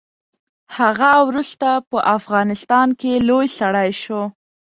هغه وروسته په افغانستان کې لوی سړی شو.